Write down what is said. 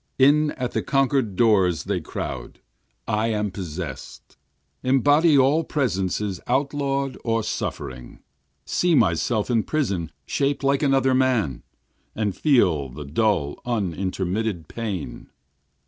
In at the conquerâd doors they crowd! I am possessâd! Embody all presences outlawâd or suffering, See myself in prison shaped like another man, And feel the dull unintermitted pain.